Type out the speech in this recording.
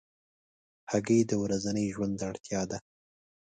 هګۍ د ورځني ژوند اړتیا ده.